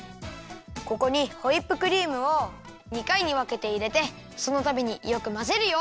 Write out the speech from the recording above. ここにホイップクリームを２かいにわけていれてそのたびによくまぜるよ。